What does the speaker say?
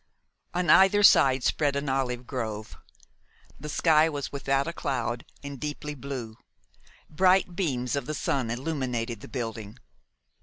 On either side spread an olive grove. The sky was without a cloud, and deeply blue; bright beams of the sun illuminated the building.